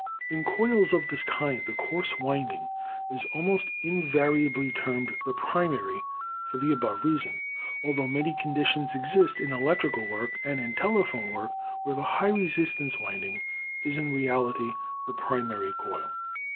In coils of this kind the coarse wind ing is almost invariably termed the primary for the above reason, altho many conditions exist in electrical work and in telephone work where the high resistance winding is in reality the primary coil.